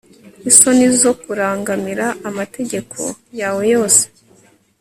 isoni zo kurangamira amategeko yawe yose